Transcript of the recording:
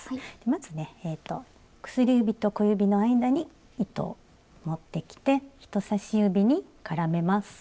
まずね薬指と小指の間に糸を持ってきて人さし指に絡めます。